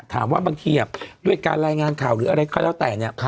ถามว่าบางทีอ่ะด้วยการรายงานข่าวหรืออะไรค่อยแล้วแต่เนี้ยค่ะ